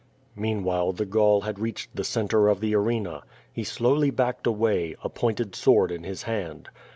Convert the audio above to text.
Meanwhile the Gaul had reached the centre of the arena. He slowly backed away, a pointed sword in his hand.